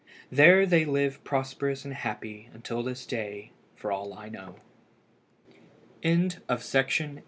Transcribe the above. There they live prosperous and happy unto this day, for all I know. TALES OF TREASURE.